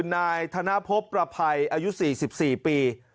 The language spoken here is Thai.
นายธนพบประภัยอายุ๔๔ปี